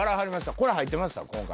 これ、入ってました、今回。